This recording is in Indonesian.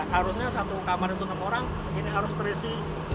seharusnya satu kamar untuk enam orang ini harus terisi sebelas